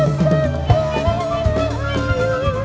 untuk senjata menjahat